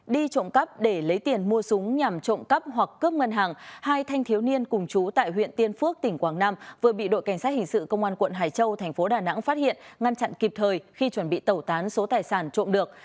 đi trộm cắp để lấy tiền mua súng nhằm trộm cắp hoặc cướp ngân hàng hai thanh thiếu niên cùng chú tại huyện tiên phước tỉnh quảng nam vừa bị đội cảnh sát hình sự công an quận hải châu thành phố đà nẵng phát hiện ngăn chặn kịp thời khi chuẩn bị tẩu tán số tài sản trộm được